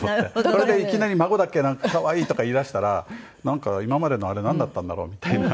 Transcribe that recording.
これでいきなり孫だけ可愛いとか言いだしたらなんか今までのあれなんだったんだろうみたいな。